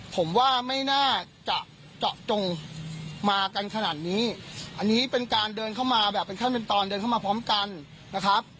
ผมว่าไม่น่าจะเจาะจงมากันขนาดนี้อันนี้เป็นการเดินเข้ามาแบบเป็นขั้นเป็นตอนเดินเข้ามาพร้อมกันนะครับ